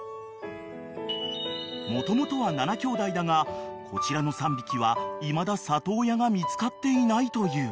［もともとは７きょうだいだがこちらの３匹はいまだ里親が見つかっていないという］